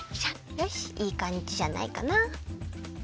よしいいかんじじゃないかな。